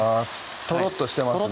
とろっとしてますね